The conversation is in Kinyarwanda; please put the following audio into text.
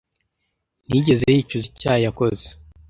Ntiyigeze yicuza icyaha yakoze.